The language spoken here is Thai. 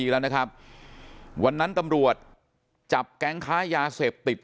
แล้วนะครับวันนั้นตำรวจจับแก๊งค้ายาเสพติด